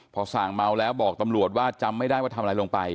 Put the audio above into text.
พอส่างเมาแล้วบอกตำรวจว่าจำไม่ได้ว่าทำอะไรลงไป